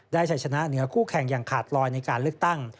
ชัยชนะเหนือคู่แข่งอย่างขาดลอยในการเลือกตั้ง